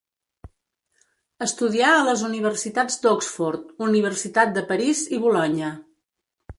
Estudià a les universitats d'Oxford, Universitat de París i Bolonya.